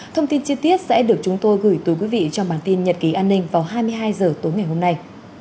thông tin chi tiết sẽ được chúng tôi gửi tới quý vị trong bản tin nhật ký an ninh vào hai mươi hai h tối ngày hôm nay